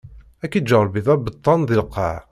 Ad k-iǧǧ Ṛebbi d abeṭṭan di lqaɛ!